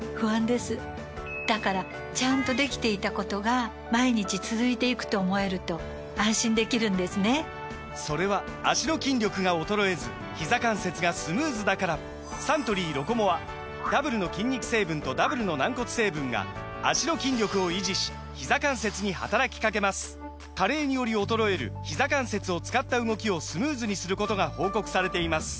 ダブルホワイトニング処方で歯本来の白さへ８つの機能全部をひとつにもうよくばりな美白サントリー「ロコモア」・それは脚の筋力が衰えずひざ関節がスムーズだからサントリー「ロコモア」ダブルの筋肉成分とダブルの軟骨成分が脚の筋力を維持しひざ関節に働きかけます加齢により衰えるひざ関節を使った動きをスムーズにすることが報告されています